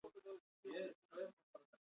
د ژمي یخه څیله ده.